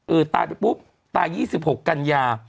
ตายไปปุ๊บตาย๒๖กันยา